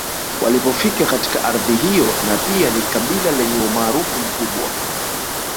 Walipofika katika ardhi hiyo na pia ni kabila lenye umaarufu mkubwa